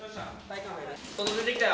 外出てきたよ。